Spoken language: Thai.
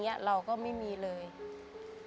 จากที่เรากำลังจะแบบมีเงินอะไรอย่างนี้เราก็ไม่มีเลย